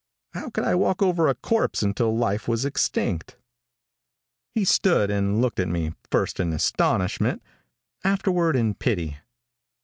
How could I walk over a corpse until life was extinct? He stood and looked at me first in astonishment, afterward in pity.